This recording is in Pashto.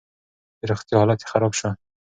د روغتيا حالت يې خراب شو.